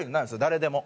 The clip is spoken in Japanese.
誰でも。